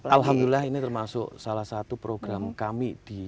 alhamdulillah ini termasuk salah satu program kami di